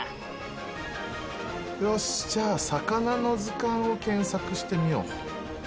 よしじゃあ魚の図鑑を検索してみよう。